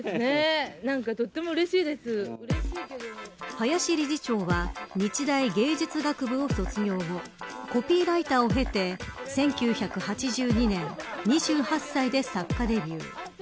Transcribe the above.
林理事長は日大芸術学部を卒業後コピーライターを経て１９８２年２８歳で作家デビュー。